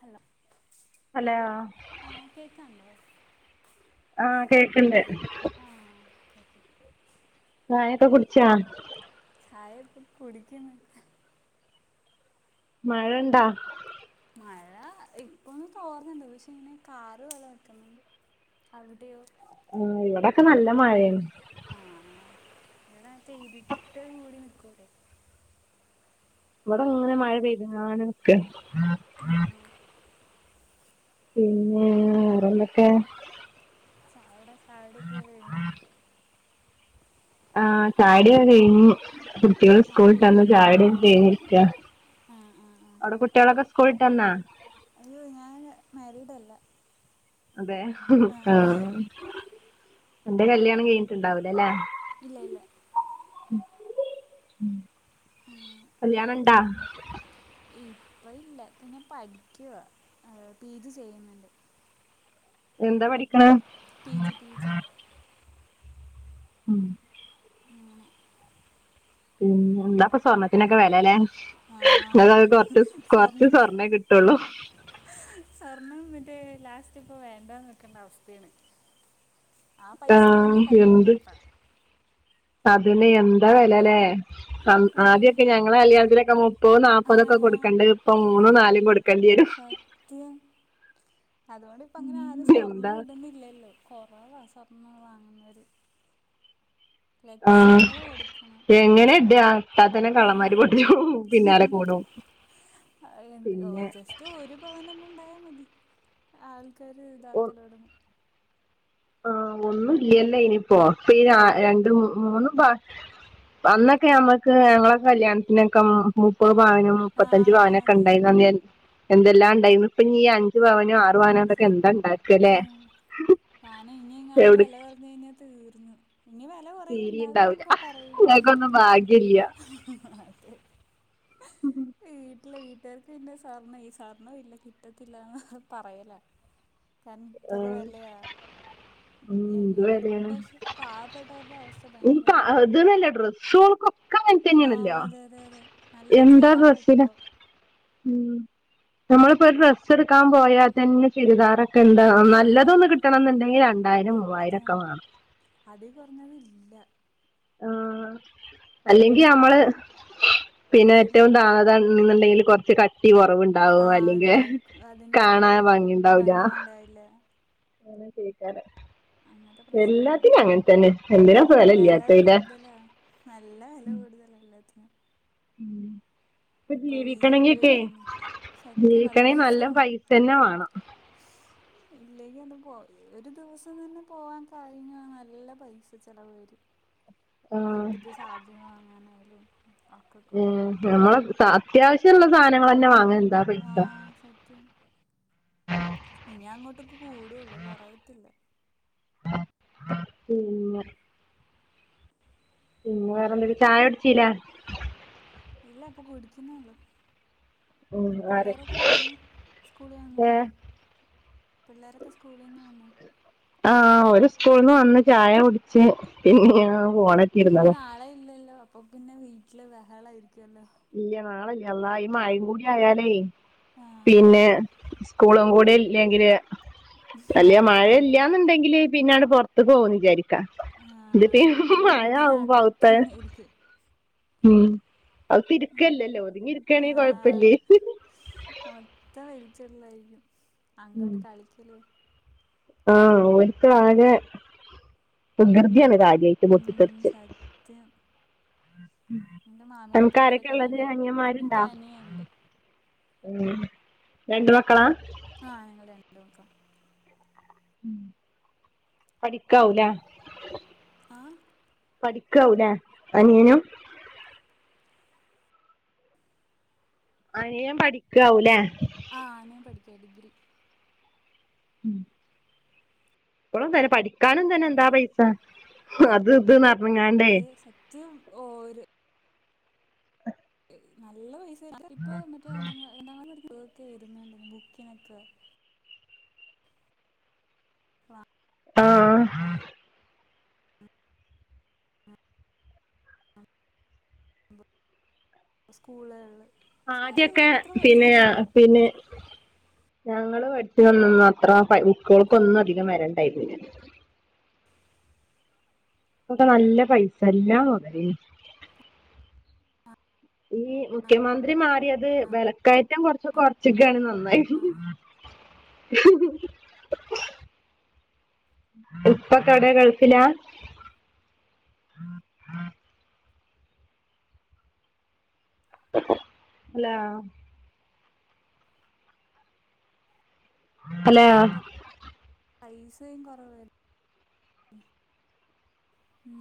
Hello hello ആഹ് കേക്കാണ്ടോ? ആഹ് കേക്ക്ണ്ട് ആ ഓക്കെ ക്കെ ചായൊക്കെ കുട്ച്ചോ? ചായ ഇപ്പോകുടിക്ക്ന്ന് മഴണ്ടോ? മഴ ഇപ്പൊന്ന് തോർന്നണ്ട് പക്ഷെ അയ്ന് കാറ് പോലെ നിക്കുന്നുണ്ട്. അവിടെയോ ആ ഇവിടൊക്കെ നല്ല മഴേണ് ആഹ് ആഹ് ഇവിടെ പെയ്തിട്ട് കൂടി നിക്കൂലെ ഇവടെങ്ങനെ മഴ പെയ്ത്‌ ങ്ങാണ്ട് നിക്കാണ്. ആ ആ പിന്നെ വേറെന്തൊക്കെ ചാവ്ടെ ചായുടിക്കെ കയ്ഞ്ഞോ? ആ ചായുടി ഒക്കെ കഴിഞ്ഞ്. കുട്ടിയേള് ആ സ്കൂള് ട്ടന്ന് ചായുടിഒക്കെ കഴിന്നി രിക്ക ആഹ് ആഹ് ആഹ് അവ്ടെ കുട്ടിയോളക്കെ സ്ക്കൂള്ട്ടന്നോ? അയ്യോ ഞാന് മേരീഡല്ല അതെ, ആ അന്റെ കല്ല്യാണം കഴിഞ്ഞിട്ടണ്ടാവൂലല്ലേ ഇല്ല ഇല്ല ഉം ഉം ആ കല്യാണംണ്ടോ? ഇപ്പ ഇല്ല പിന്നെ പഠിക്കുവ പി ജി ചെയ്യുന്നുണ്ട്. എന്താ പഠിക്കണ്. പി ജി പ പി ജി. ഉം. ങ്ങനെ. പിന്നെ എന്താപ്പൊ സ്വർണ്ണത്തിനൊക്കെ വിലല്ലോ? ആ [unintelligible] കൊറച്ച് കൊറച്ച് സ്വർണം സ്വർണ്ണേ കിട്ടുള്ളൂ. സ്വർണം എന്നന്നിട്ട് ലാസ്റ്റ് ഇപ്പൊ വേണ്ടന്ന് വോക്കണ്ട അവസ്ഥയാണ്. ആ പൈസ ഉണ്ടെങ്കി കല്യാണം നടത്താം. അതിന്നെ എന്താ വലല്ലേ കൂടി ആദ്യൊക്കെ ഞങ്ങളെ കല്യാണത്തിനൊക്കെ മു മുപ്പതും ആ നാല്പതും കൊടുക്കണ്ടണ്ട് ഇപ്പൊ മൂന്നും നാലും കൊടു. സത്യം അതുകൊണ്ട് ഇപ്പ അങ്ങനെ ആരും എന്താ സ്വർണം ഇടുന്നില്ലല്ലോ? കൊറവ സ്വർണ്ണം വാങ്ങുന്നര്. ആഹ് ലക്ഷ്യങ്ങൾ കൊടുക്കണം എങ്ങനെ ഇടാ ഇട്ടാത്തന്നെ ആഹ കള്ളന്മാര് പൊട്ടിച്ചും സത്യം. പിന്നാലെ [unintelligible] കൂടും എ പിന്നെ ജസ്റ്റ് ഒരു.. ഒരു പവന് ണ് ഉണ്ടായൽ മതി ആൾക്കാര് ഇതാക്കലോടങും. ആ് ഒന്നും ഇല്ലല്ല ആയിന് പ്പോ ഇപ്പ ഏയ് രണ്ടും, മൂന്നും. പ അന്നൊക്കെ ഞമ്മക്ക് ഞങ്ങളെ കല്യാണത്തിനൊക്കെ മുപ്പത് പവനും. മുപ്പത്തഞ്ച് ആഹ് പവനൊക്കെ അതെ ഉണ്ടായിനന് എന്തെല്ലാം ഉണ്ടായിന് ഇപ്പ അഞ്ച് പവനും... വാനൊക്കെ എന്താണ്ടാക്കല്ലേ? കാന ഇനി ഇങ്ങാനും വല കുറഞ്ഞ കഴിഞ്ഞാ തീർന്ന്. ഇനി വല വലകുറ തീരെ ഉണ്ടാവൂല ഉണ്ടാവില്ലന്നൊക്കെ പറയണ്ട് ഞങ്ങക്കൊന്നും ഭാഗ്യല്ല അതെ.. ഉം. വീട്ടിലെ വീട്ടുകാർക്ക് പിന്നെ സ്വർണ്ണ ഈ സ്വർണ്ണം ഇല്ല കിട്ടത്തില്ലന്ന് പറയല. കാരണം ഇത്ര ആഹ് വല ഉം എന്ത് എങ്ങനെ എടുക്കും പക്ഷെ പാവപ്പെട്ടവരുടെ അവ അത് നല്ല ഡ്രസ്ഒൾക് ഒകൊ ആഹ അതെ അതെ അതെ. നല്ല എന്താ ചെലവാ ഡ്രസ്സിന് ഇപ്പൊ നമ്മളിപ്പോ ഒരു ഡ്രസ്സ് എടുക്കാൻ പോയാൽ തന്നെ ചുരിദാറൊക്കെ എന്താ ആഹ് നല്ലതൊ കിട്ടണം എന്നുണ്ടെങ്കിൽ രണ്ടായിരം, മൂവായിരം, സത്യം ഒക്കെ വേണം. അതി കുറഞ്ഞത് ഇല്ല. ആ അല്ലെങ്കിൽ നമ്മള് പിന്നെ ഏറ്റവും തഴ് അന്ണ്ടെങ്കിൽ കുറ ട്ടി ആ കുറവുണ്ടാവും അല്ലെങ്കിൽ അതെ അതിന് അത് കാണാൻ ഭംഗിണ്ടാവൂല. ഭംഗിയുണ്ടാവില്ല അങ്ങനെ കേക്കാറ് അങ്ങനത്തെ പ്രശ്നങ്ങളുണ്ട് എല്ലാത്തിനും അങ്ങനെ തന്നെ എന്തിന പം വല വില ഇല്ലാത്ത കൂടുതലാ നല്ല വില കൂടുതല എല്ലാത്തിനും. മ് ഇപ്പൊ ജീവിക്കണെങ്കി വീട് ക്കെ വെക്കുന്ന് ജീവിക്കണെങ്കിൽ നല്ല പൈസ തന്നെ വേണം. [unintelligible] ഇല്ലെങ്കി അത് പോ ഒരു ദിവസം തന്നെ പോവാൻ കാര്യങ്ങൾ നല്ല പൈസ ചെിലവ് വരും. വീട്ടത്തെ സാധനങ്ങൾ വാങ്ങാനായാലും. ഒക്കക്കൂടെ നമ്മളൊ അത്യാവശ്യമുള്ള സാധനങ്ങൾ തന്നെ വാങ്ങ എന്താ. പൈസ ആഹ സത്യം. ഇനി അങ്ങോട്ടൊക്കെ കൂടുള്ളു കൊറയത്തില്ല. പിന്നെ. പിന്നെ വേറെന്തെിലും ചായ കുടിച്ചീലൊ? ഇല്ല അപ്പൊ കുടിക്കുന്നളു. പിള്ളേരൊക്കെ വന്ന് സ്കൂളിൽന്ന് വന്ന്. പിള്ളോരൊക്കെ സ്കൂളിൽ നിന്ന് വന്ന്. ആ ഓര് സ്കൂൾന്ന് വന്ന് ചായ കുടിച്ച് പിന്നെങ്ങനെയാ പോണ് ഇനി നാളെയില്ലല്ലോ അപ്പപിന്നെ വീട്ടില് വെഹളായിരിക്കുവല്ലോ ഇല്ല നാളെയില്ല അള്ളാ ഈ മഴയും കൂടിആയാലേ ആഹ് പിന്നെ സ്കൂളുംകൂടെ ഇല്ലെങ്കില് നല്ല വല്യമഴ ബഹളം ഇല്ലാന്നുണ്ടെങ്കില് പിന്നാലെ പൊറത്തുക്ക് പോകുന്നു വിചാരിക്കാം ആഹ് ഇതിപ്പീ അല്ലെങ്കിൽ മഴയാവുമ്പൊ അകത്തെ വീടിനകത്തന്നെ ഇരിക്കും ഉം അതിപ്പ ആഹ് ഇരിക്കല്ലല്ലോ ഒതുങ്ങി ഇരിക്കയാണെങ്കിൽ ആഹ് കൊഴപ്പില്ലേ മൊത്തം വലിച്ചിടലായിരിക്കും അങ്ങോട്ട് കളിക്കലും ആ ഓൽക്ക് ആകെ വൃകൃതിയാണ് കായ് ലൈറ്റ് ഉം പൊട്ടിത്തെറിച്ച് സത്യം എന്റെ മാമിന്റെ നമുക്ക് പിള്ളേരൊക്കെ ആരൊക്കെയായുള്ളത് ഭയങ്കര എനിക്ക് അനിയന്മാരുണ്ടാ അനിയനുണ്ട് ഉം രണ്ടുമക്കളാ ആ ഞങ്ങള് രണ്ടുമക്കളാ പഠിക്കാവൂല ആ പഠിക്കാവൂലേ അനിയനും അനിയൻ പഠിക്കാവൂല്ലേ ആ അനിയൻ പഠിക്കാ ഡിഗ്രി ഉം ഇപ്പോളും തന്നെ പഠിക്കാനും തന്നെ ഉം എന്താപൈസ അത് ഇത് എന്നുറഞ്ഞങ്ങാണ്ടേ [unintelligible] നല്ല പൈസായ ഇപ്പ മറ്റേ [unintelligible] ഒക്കെ എഴുതുന്ന ബുക്കിനൊക്കെ വ ആഹ് ആ സ്കുളുകളില് ആദ്യൊക്കെ പിന്നെ [unintelligible] പിന്നെ ഞങ്ങള് പഠിച്ചുന്നന്നൊന്നും അത്ര സ്കൂളുക്കൊന്നും അധികം വരണ്ടായിരുന്നില്ല ഇപ്പൊക്കെ നല്ലപൈസ എല്ലാമതെ ഈ മുഖ്യമന്ത്രി മാറിയത് വിലക്കയറ്റം കുറച്ച് കുറച്ചൊക്കാണ് നന്നായി ആ [inaudible] ഇപ്പം കട ഗൾഫിലാ അല്ലാ ഹലോ പൈസയും കുറവാര്ന്ന് ഉം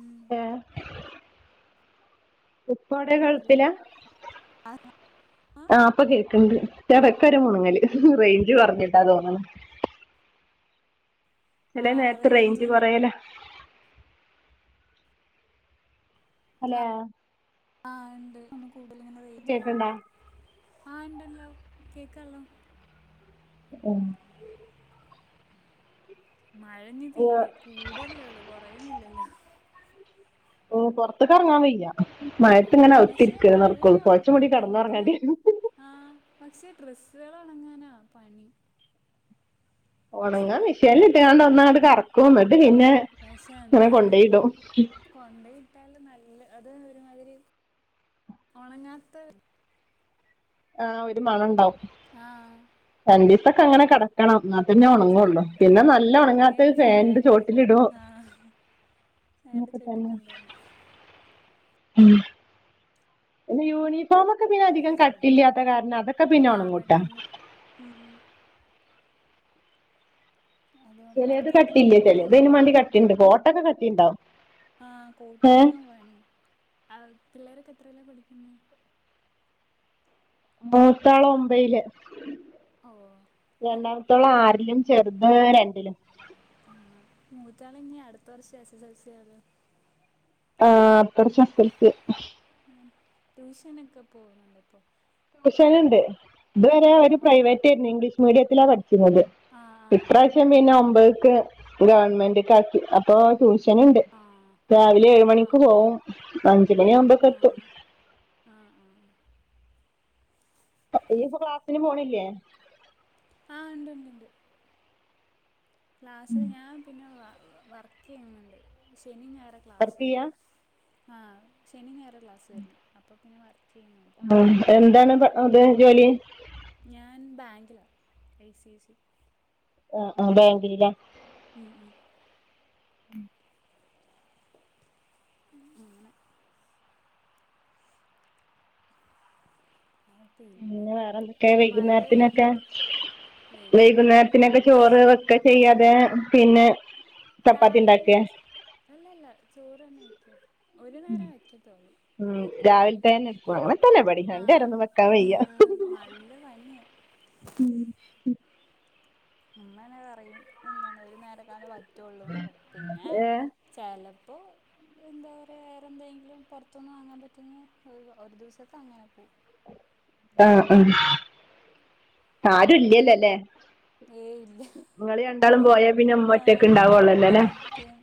ഊം ഏ ഉപ്പാവിടെ അല്ല ഗൾഫിലാ ആ ഇപ്പൊ കേക്കണ്ട് ഇടക്കൊരു മുണുങ്ങല് റേഞ്ച് കുറഞ്ഞിട്ടാന്നുതോന്നണ് ചെല ആ നേരത്ത് റേഞ്ചിന്റെ റേഞ്ച്കുറയലാ ഹലോ ആ ഇണ്ട് ഒന്നുകൂടുതലിങ്ങനെ റേഞ്ച് കേക്കണ്ടാ ആ ഇണ്ടല്ലോ കേക്കാല്ലോ ഉം മഴനി തീ കൂടയല്ലേള്ളു കുറയുന്നില്ലല്ലോ ഓ പുറത്തേക്ക് ഇറങ്ങാൻ വയ്യ മഴത്ത് ആഹ് ഇങ്ങനെ പക്ഷെ അകത്തിരിക്കലേ നടക്കോള്ളു പുതച്ചുമൂടി കിടന്നുറങ്ങേണ്ടിവരും ആ പക്ഷെ ഡ്രസ്സുകളുണങ്ങാനാ പണി ഉണങ്ങാൻ മിഷനിലിട്ട് ഒന്നങ്ങട്ട് കറക്കും എന്നിട്ട് പിന്നെ ഇങ്ങനെ കൊണ്ടോയിടും കൊണ്ടെയിട്ടാലും നല്ല അത് ഒരുമാതിരി ഒണങ്ങാത്ത ആ ഒരു മണണ്ടാവും ആ രണ്ടീസം ഒക്കെ അങ്ങനെ കെട ക്കണം എന്നാപ്പിന്നെ ഉം ഉണങ്ങുള്ളു പിന്നെ സത്യം നല്ല അല്ലെങ്കി ഉണങ്ങാത്തത് വല്ല ഫാനിന്റെ ചോട്ടിലിടും ആഹ് ഫാന്റെ ന്ന്പ്പത ചോട്ടിക്കൊണ്ടിടണം [unintelligible] ഉം. ല യൂണിഫോമൊക്കെ പിന്നധികം കട്ടില്ലാത്ത കാരണം അതക്കെ ആഹ് പിന്നൊണങ്ങുട്ടോ. പെട്ടെന്ന് ഉം ഉം. അതുകൊണ്ട് ചെലേത് അവരൊക്കെ കട്ടില്ല, എത്രയിലാ ചെലേത പഠിക്കുന്നെ യ്‌നുംമാണ്ടി കട്ടിണ്ട് കോട്ടൊക്കെ കട്ടിണ്ടാവും. ആഹ കോട്ടു ഒൺങ്ങാൻ പണ്യ. അ പിള്ളേരൊക്കെത്രല പഠിക്കുന്നെ? മൂത്താള് ഒമ്പയില്. ഓഹ് രണ്ടാമത്തോളാറിലും ചെർത് രണ്ടിലും. ആഹ് മൂത്താള് ഞ് അടുത്ത വർഷം എസ് എസ് എൽ സി ആക. ആഹ് അട്ത്തർഷം എസ് എൽ സി. ആഹ് ട്യൂഷനൊക്കെ പോവുന്നുണ്ടൊ പ്പോ? ട്യൂഷന്ണ്ട് ഇതുവരെ ഓര് പ്രൈവറ്റേനി, ഇംഗ്ലീഷ് മീഡിയത്തിലാ പട്ച്ചീനത്. ആ ആ ആ ഇപ്രാവശ്യം പിന്നെ ഒമ്പത്ക്ക് ഗവൺമെന്റക്കാക്കി അ- പ്പൊ ട്യൂഷന്ണ്ട് ആ രാവിലെ ആ ആ ഏഴ്മണിക്ക് പോവും അഞ്ച് മണിയാവുമ്പോക്കെത്തും. ആഹ് ആഹ്. ഇയ്യ് പ്പൊ ക്ലാസ്സിന് പോണില്ലേ? ആഹ് ണ്ട് ണ്ട് ണ്ട്. ക്ലാസ് ഞാൻ പിന്നെ വ വർ - കെയുന്ന്ണ്ട്. ശനി ഞായാറാ ക്ലാസ്സ്‌ വർക്ക് ചെയ്യാ വരുന്ന. ആ ശനി ഞായാറാ - ക്ലാസ് വരുന്നേ, അപ്പ പിന്നെ വർക്കെയ്യുന്നുണ്ട്. ആ എന്താണ് ബ അബ ജോലി? ഞാൻ ബാങ്കിലാ. I C I C. ആഹ് ആഹ് ബാങ്കില് ലെ? ഉം ഉം. ഉം അങ്ങനെ, ആഉ. പിന്നെ വേറെന്തൊക്കെ മഴ വൈകുന്നേരത്തിനൊക്കെ പെയ്കീട്ട് വെകുന്നേ രത്തിന് ചോ ക്ക ചെയ്യാതെ പിന്നെ- ചപ്പാത്തി രാവില ഇണ്ടാക്കെ? വച്, അല്ലല്ല ചോറ്ന്നെ വയ്ക്ക. ഒരു നേരാ വയ്ക്കത്തള്ളൂ. ഉം രാവിൽത്തെന്നെ, അങ്ങൻ തന്നെബടിം. രണ്ടേരൊന്നും വെക്കാൻ ആഹ് വയ്യാ. ആഹ് നല്ല പണ്യ. ഉം ഉ. മ്മനെ പറയും എന്താണ് ഒരു നേരക്കാല വറ്റുള്ളൂന്നൊക്കെ പിന്നെ- ഏഹ് ചെലപ്പോ. എന്താറ്യ വേറെന്തങ്കിലും പൊർത്ത്ന്ന് വാങ്ങാ പറ്റൊഞ്ഞ് ഒ ഒരു ദിവസൊക്കെ അങ്ങനെ പോവും. ആഹ് ആ ആരുല്ലല്ലോ ല്ലേ? ഏയ് ഇല്ല ങ്ങള് രണ്ടാളും പോയാ പിന്നെ മ്മൊറ്റൊക് ആഹ് ണ്ടാവൊള്ളൊല്ലെ ലേ. സത്യം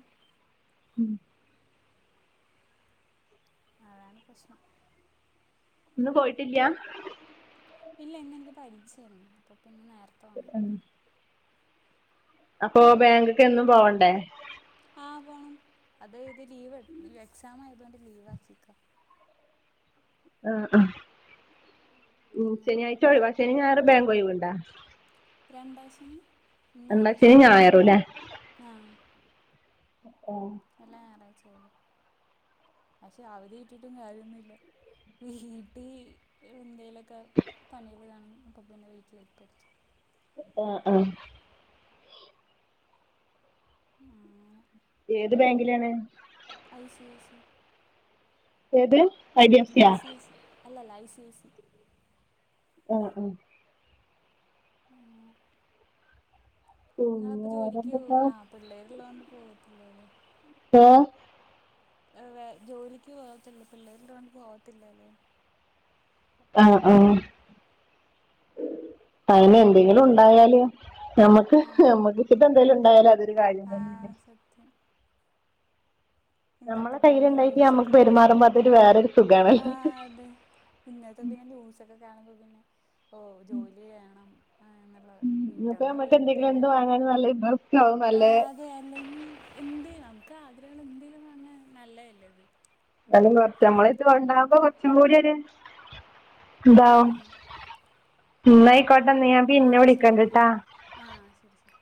അതാണ് പ്രശ്നം. ന്ന് പോയിട്ടില്ലാ? ഇല്ല ഇന്നിൻക്ക് പരീക്ഷന്നു. അപ്പൊ പിന്നെ നേരത്തെ വന്ന. അപ്പൊ ബാങ്ക്ക്ക് എന്നും പോവണ്ടേ? ആ പോണം. അത് ഇത് ലീവ് എ എക്സാമായതോണ്ട് ലീവാക്കിക്ക. ആഹ് ആഹ് ഉം അങ്ങനെ ശനിയാഴ്ച ഒഴിവാ, ശനിം ഞായറ് ബേങ്കൊയി വണ്ടാ? രണ്ടാശനിം എന്താ ശനിം ന്നാലാശനി ഞായറുംല്ലേ? ആഹ്. ആഹ്. എല്ലാ ഞായറാഴ്ചി ഒഴിവാ. പക്ഷെ അവധി കട്ടിട്ടും കാര്യൊന്നുല്ല, വീട്ടീ എന്തെല- ക്കെ പണ്യള് കാണും അപ്പ പിന്നെ വീട്ടിലേ പഠിക്ക. ആഹ് ആഹ്. ആ ങ്ങനെ. ഏത് ബാങ്കിലാണ്? ഐ സി ഐ സി ഏത് ഡി എഫ് ഐ സിയാ സി സി അല്ല അല്ല ഐ സി സി. മ് മ് ആഹ് നിങ്ങളപ്പോ പിന്നെ ജോലിക്ക് പോ വേറെന്തൊക്കാ ആ പിള്ളേർള്ളതോണ്ട് പോവത്തില്ലേ അല്ലേ? ഓ ആ വേ ജോലിക്ക് പോവാത്തില്ല പിള്ളേരിൊണ്ട് പോവാത്തില്ല അല്ലേ? ആഹ ആ അതന്നെ എന്തെങ്കിലും ഉണ്ടായല് നമ്മുക്ക് ആഹ് നമ്മുക്ക് ഇിപ്പ എന്തായാലും ഉണ്ടായാല് അതൊരു കാര്യന്നെ സത്യ ഇന്നത്തെ നമ്മളെ പിന്നെ കയ്യിലുണ്ടായിട്ട് നമ്മക്ക് ന്യൂൾസൊക്കെ കാണുവ പെരുമാറുമ്പോ അതൊരു വേറൊരു ആ സുഖാണല്ലോ അതെ. പിന്നത്തെ പിന്നെ ന്യൂസൊക്കെ കാണുമ്പോ പിന്നെ ഓ ജോലി വേണം. ആഹ് എന്നല്ല വീട്ടന്നാ വീട്ടുകാരും അത്- ആ ല്ലേ [unintelligible] ആ അതെ അല്ലെങ്കി എന്ത് നമുക്ക് ആഗ്രഹങ്ങൾ എന്തേലും അങ്ങെ നല്ലല്ലേ ഇത്. ലും കുറ നമ്മള ഇത് കൊണ്ടാവകുമ്പോ കൊറച്ചും കൂടിയര് ഇത ആഹ് എന്നന്നയിക്കോട്ടന്നഞാൻ പിന്നെ ആഹ് ശരി വിളിക്കണ്ടിട്ടാ. ആഹ് ആഹ് ശരി സരി.